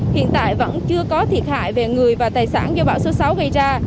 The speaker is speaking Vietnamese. hiện tại vẫn chưa có thiệt hại về người và tài sản do bão số sáu gây ra